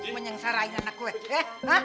menyengsarain anak gue